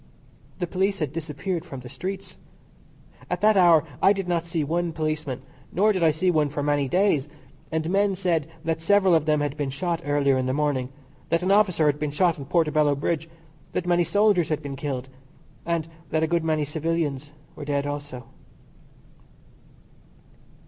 The police had disappeared from the streets. At that hour I did not see one policeman, nor did I see one for many days, and men said that several of them had been shot earlier in the morning; that an officer had been shot on Portobello Bridge, that many soldiers had been killed, and that a good many civilians were dead also.